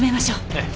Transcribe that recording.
ええ。